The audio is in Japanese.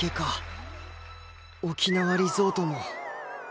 沖縄リゾートも。